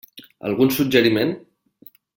Algun suggeriment?